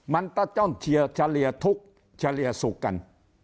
มันตะจ้อนเชียร์เฉลี่ยทุกข์เฉลี่ยสุขกัน